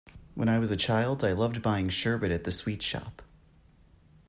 When I was a child, I loved buying sherbet at the sweet shop